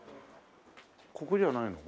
ここじゃないのか？